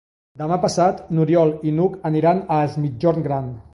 Demà passat n'Oriol i n'Hug aniran a Es Migjorn Gran.